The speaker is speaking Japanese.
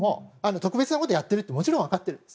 特別なことをやっているのはもちろん分かっています。